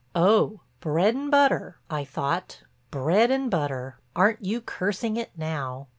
"Oh, bread and butter," I thought, "bread and butter! Aren't you cursing it now?"